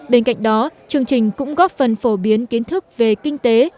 bên cạnh đó chương trình cũng góp phần phổ biến kiến thức về kinh tế